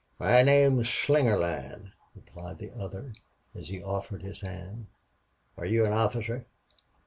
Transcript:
"My name's Slingerland," replied the other, as he offered his hand. "Are you an officer?"